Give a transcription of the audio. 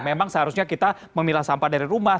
memang seharusnya kita memilah sampah dari rumah